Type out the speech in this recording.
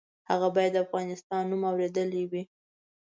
هغه باید د افغانستان نوم اورېدلی وي.